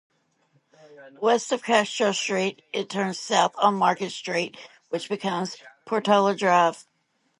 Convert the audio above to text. West of Castro Street, it turns south on Market Street, which becomes Portola Drive.